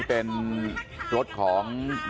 โลงตัวโลงตัวโลงแนน